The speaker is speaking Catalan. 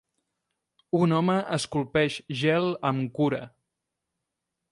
Un home esculpeix gel amb cura